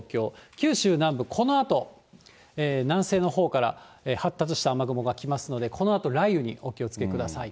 九州南部、このあと南西のほうから発達した雨雲が来ますので、このあと雷雨にお気をつけください。